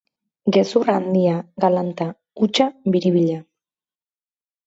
Gezur handia, galanta, hutsa, biribila.